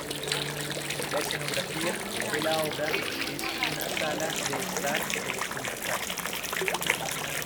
La escenografía de la obra es una sala de estar de una casa.